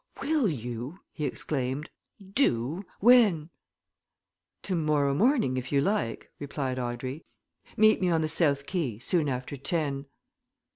"Will you?" he exclaimed. "Do! When?" "Tomorrow morning, if you like," replied Audrey. "Meet me on the south quay, soon after ten."